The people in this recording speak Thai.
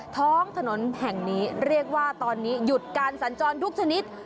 ท้องถนนแห่งนี้เรียกว่าตอนนี้หยุดการสัญจรทุกชนิด